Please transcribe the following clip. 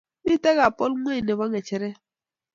Mito apple ingwenye nebo ngecheret